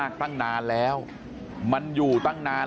สวัสดีครับคุณผู้ชาย